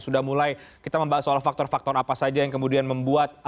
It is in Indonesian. sudah mulai kita membahas soal faktor faktor apa saja yang kemudian membuat